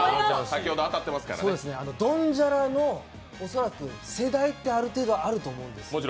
「ドンジャラ」の恐らく世代ってある程度あると思うんですよ。